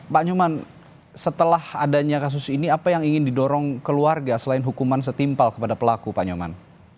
pak nyoman setelah adanya kasus ini apa yang ingin didorong keluarga selain hukuman setimpal kepada pelaku pak nyoman